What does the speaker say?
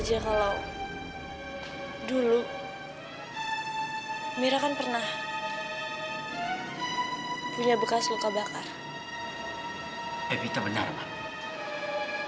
evita benar pak